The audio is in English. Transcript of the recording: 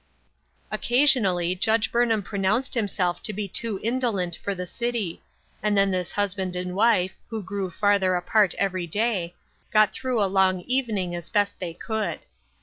Occasionally Judge Burnham pronounced him self to be too indolent for the city ; and then this husband and wife, who grew farther apart every day, got through a long evening as best they could.